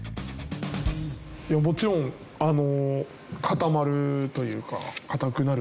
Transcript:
もちろん固まるというか硬くなる。